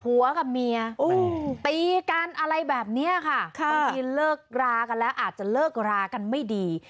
ผัวกับเมียตีกันอะไรแบบนี้ค่ะบางทีเลิกรากันแล้วอาจจะเลิกรากันไม่ดี